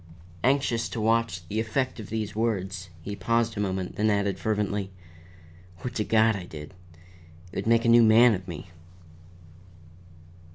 Anxious to watch the effect of these words, he paused a moment, then added fervently: "Would to God I did! It would make a new man of me."